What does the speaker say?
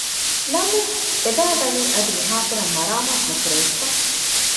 ނަމަވެސް އެބައިވަނީ އަދި މިހާތަނަށް މަރާމާތު ނުކުރެވިފަ